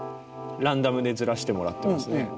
ランダムでズラしてもらってますね。